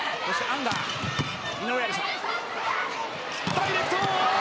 ダイレクト！